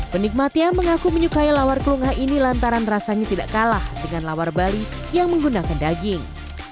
penikmatnya mengaku menyukai lawar kelungah ini lantaran rasanya tidak kalah dengan lawar bali yang menggunakan daging